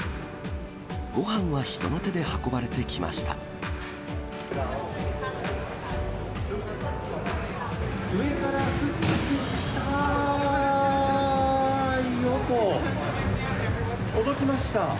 ごはんは人の手で運ばれてきました。